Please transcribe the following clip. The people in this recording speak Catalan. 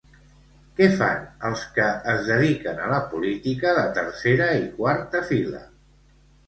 Què fan els que es dediquen a la política de tercera i quarta fila?